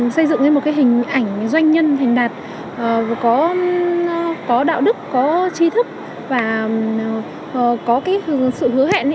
xây dựng một hình ảnh doanh nhân thành đạt có đạo đức có chi thức và có sự hứa hẹn